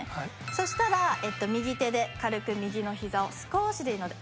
そしたら右手で軽く右のひざを少しでいいので押しておきます。